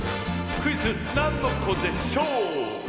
クイズ「なんのこでショー」！